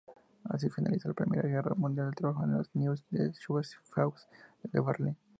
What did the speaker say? Así, finalizada la Primera Guerra Mundial, trabajó en el Neues Schauspielhaus de Berlín.